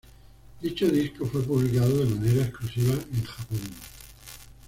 Dicho disco fue publicado de manera exclusiva en Japón.